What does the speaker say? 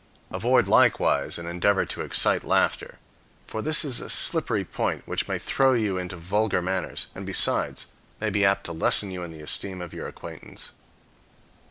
Avoid, likewise, an endeavor to excite laughter. For this is a slippery point, which may throw you into vulgar manners, and, besides, may be apt to lessen you in the esteem of your acquaintance.